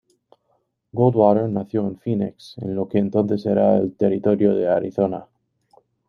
Goldwater nació en Phoenix, en lo que entonces era el Territorio de Arizona.